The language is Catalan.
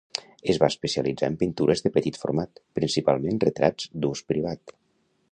Es va especialitzar en pintures de petit format, principalment retrats d'ús privat.